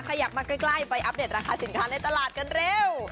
ขยับมาใกล้ไปอัปเดตราคาสินค้าในตลาดกันเร็ว